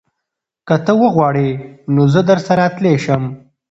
که ته وغواړې نو زه درسره تلی شم.